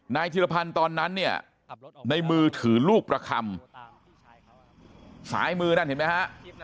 ธิรพันธ์ตอนนั้นเนี่ยในมือถือลูกประคำสายมือนั่นเห็นไหมฮะ